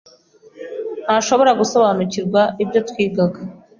ntashoboraga gusobanukirwa ibyo twigaga,